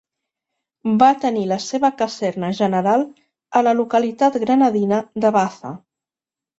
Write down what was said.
Va tenir la seva caserna general a la localitat granadina de Baza.